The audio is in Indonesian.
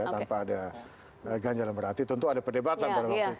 tanpa ada ganjar berarti tentu ada perdebatan pada waktu itu